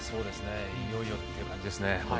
いよいよという感じですね。